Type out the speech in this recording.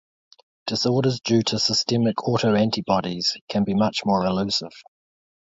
Disorders due to systemic autoantibodies can be much more elusive.